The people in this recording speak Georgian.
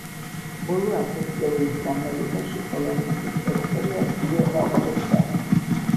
ბოლო ათასწლეულის განმავლობაში პოლონეთის ტერიტორია ძლიერ ვარირებდა.